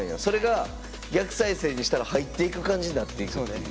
それが逆再生にしたら入っていく感じになっていくっていう。